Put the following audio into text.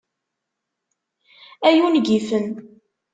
Ay ungifen!